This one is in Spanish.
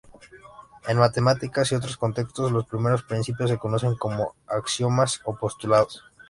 En matemáticas y otros contextos, los primeros principios se conocen como axiomas o postulados.